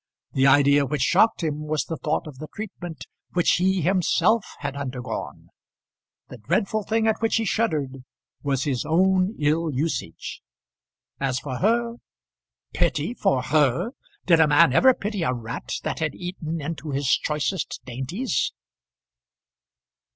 The idea which shocked him was the thought of the treatment which he himself had undergone. The dreadful thing at which he shuddered was his own ill usage. As for her; pity for her! Did a man ever pity a rat that had eaten into his choicest dainties?